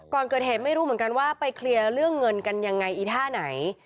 ก่อนเกิดเหตุไม่รู้เหมือนกันว่าไปเคลียร์เรื่องเงินกันยังไงอีท่าไหน